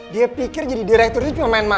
dia pikir jadi direktur ini cuma main main apa